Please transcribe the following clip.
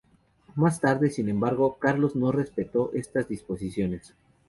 Más tarde, sin embargo, Carlos no respetó estas disposiciones.